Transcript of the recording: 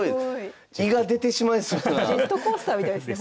ジェットコースターみたいですね